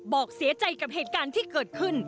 บอกเสียใจกับเหตุการณ์ที่เกิดขึ้น